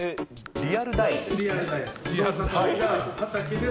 リアル大豆。